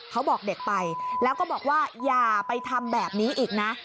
เขาบอกเด็กไปแล้วก็บอกว่าอย่าไปทำแบบนี้อีกนะ